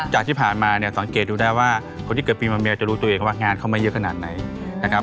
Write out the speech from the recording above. จากที่ผ่านมาเนี่ยสังเกตดูได้ว่าคนที่เกิดปีมะเมียจะรู้ตัวเองว่างานเข้ามาเยอะขนาดไหนนะครับ